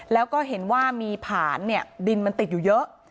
แล้วก็เห็นว่ามีผานดินมันติดอยู่เยอะ